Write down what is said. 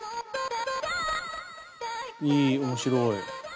いい面白い。